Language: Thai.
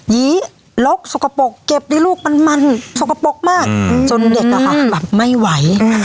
ยีลกสกปรกเก็บดิลูกมันมันสกปรกมากจนเด็กอะค่ะแบบไม่ไหว